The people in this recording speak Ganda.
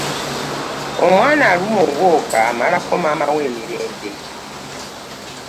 Omwana alumwa obwoka amalako maama we emirembe.